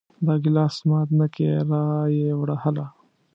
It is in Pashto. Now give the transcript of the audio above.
دا ګلاس مات نه کې را یې وړه هله!